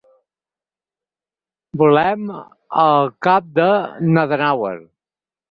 Volem el cap de n'Adenauer.